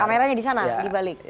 kameranya di sana di balik